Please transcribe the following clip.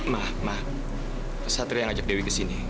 ma ma satria ngajak dewi kesini